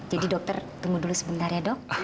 dokter tunggu dulu sebentar ya dok